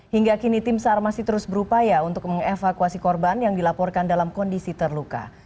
hingga kini tim sar masih terus berupaya untuk mengevakuasi korban yang dilaporkan dalam kondisi terluka